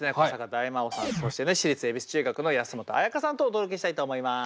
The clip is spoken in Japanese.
大魔王さんそしてね私立恵比寿中学の安本彩花さんとお届けしたいと思います。